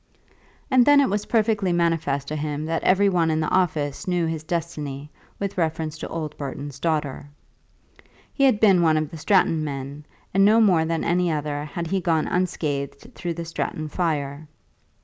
And then it was painfully manifest to him that every one in the office knew his destiny with reference to old Burton's daughter. He had been one of the Stratton men, and no more than any other had he gone unscathed through the Stratton fire.